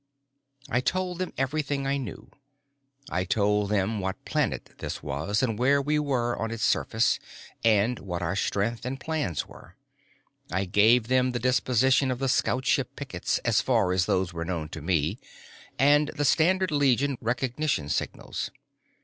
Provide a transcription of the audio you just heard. I told them everything I knew. I told them what planet this was, and where we were on its surface, and what our strength and plans were. I gave them the disposition of the scoutship pickets, as far as those were known to me, and the standard Legion recognition signals.